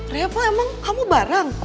reva emang kamu bareng